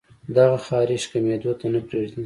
دغه خارښ کمېدو ته نۀ پرېږدي